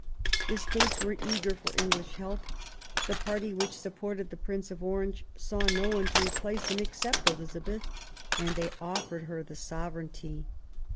The States were eager for English help ; the party which supported the Prince of Orange saw no one to replace him ex cept Elizabeth, and they offered her the sovereignty.